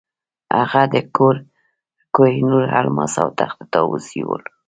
هغه د کوه نور الماس او تخت طاووس یووړ.